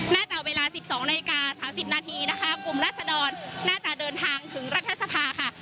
น่าจะเวลาสิบสองนาฬิกาสามสิบนาทีนะคะกลุ่มรัฐสดรน่าจะเดินทางถึงรัฐธรรมนูนค่ะ